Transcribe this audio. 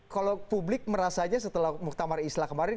kalau publik merasanya setelah muktamar islah kemarin